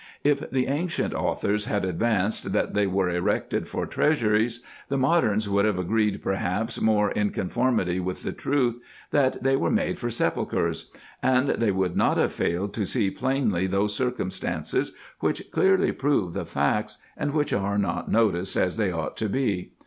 If the ancient authors had advanced, that they were erected for treasuries, the moderns would have agreed perhaps more in con formity with the truth, that they were made for sepulchres ; and they would not have failed to see plainly those circumstances, which clearly prove the facts, and which are not noticed as they ought to be.